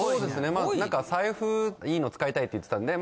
まあなんか財布いいの使いたいって言ってたんで。